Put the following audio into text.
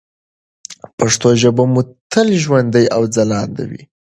پښتو ژبه مو تل ژوندۍ او ځلانده وي.